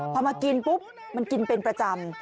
พอมากินปุ๊บมันกินเป็นประจำ